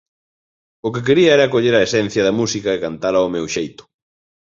O que quería era coller a esencia da música e cantala ao meu xeito.